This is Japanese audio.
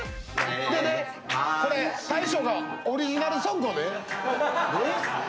でねこれ大将がオリジナルソングをね。